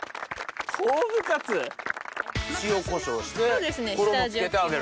塩コショウして衣付けて揚げるだけ？